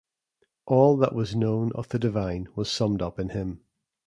All that was known of the divine was summed up in him.